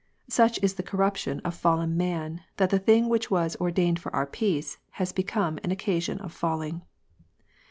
Such is the corruption of fallen man that the thing which was " ordained for our peace" has become " an occasion of falling."